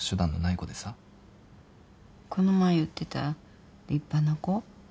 この前言ってた立派な子？